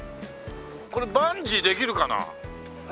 これバンジーできるかな？